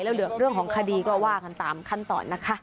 แล้วเหลือเรื่องของคดีก็ว่ากันตามขั้นตอนนะคะ